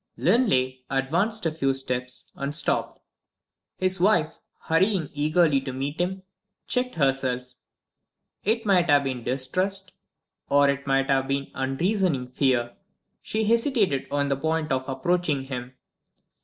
Linley advanced a few steps and stopped. His wife, hurrying eagerly to meet him, checked herself. It might have been distrust, or it might have been unreasoning fear she hesitated on the point of approaching him.